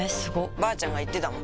ばあちゃんが言ってたもん